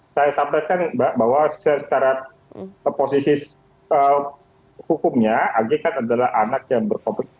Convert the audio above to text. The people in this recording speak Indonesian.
saya sampaikan bahwa secara posisi hukumnya ag kan adalah anak yang berkompetisi